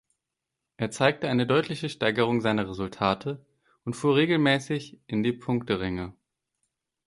Er zeigte eine deutliche Steigerung seiner Resultate und fuhr regelmäßig in die Punkteränge.